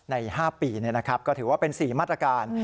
ใน๕ปีก็ถือว่าเป็น๔มาตรการ